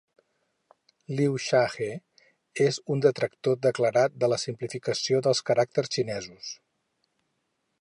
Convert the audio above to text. Liu Shahe és un detractor declarat de la simplificació dels caràcters xinesos.